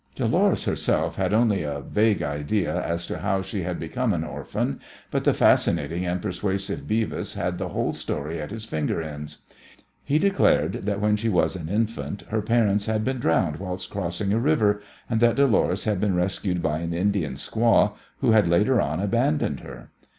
Dolores herself had only a vague idea as to how she had become an orphan, but the fascinating and persuasive Beavis had the whole story at his finger ends. He declared that when she was an infant her parents had been drowned whilst crossing a river, and that Dolores had been rescued by an Indian squaw, who had later on abandoned her.